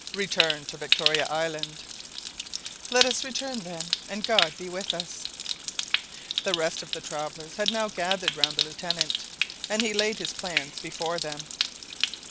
"Return to Victoria Island." "Let us return then, and God be with us!" The rest of the travellers had now gathered round the Lieutenant, and he laid his plans before them.